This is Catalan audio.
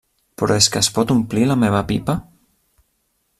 Però és que es pot omplir, la meva pipa?